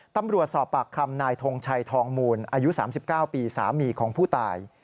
ตำรวจสอบปากคำนายทงชัยทองมูลอายุ๓๙ปีสามีของผู้ตาย